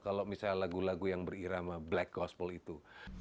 kalau misalnya lagu lagu yang berirama black gospel itu